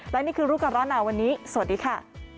และนี่คือรู้ก่อนร้อนหนาวันนี้สวัสดีค่ะ